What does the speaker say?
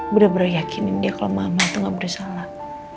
bener bener yakinin dia kalau mama itu gak bersalah